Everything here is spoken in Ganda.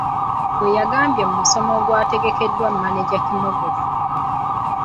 Bwe yagambye mu musomo ogwategekeddwa Maneja Kimogofu.